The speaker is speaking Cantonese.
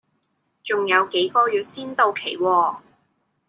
仲有幾個月先至到期喎